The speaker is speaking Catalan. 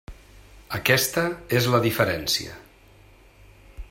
Aquesta és la diferència.